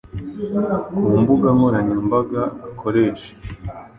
ku mbuga nkoranyambaga akoresha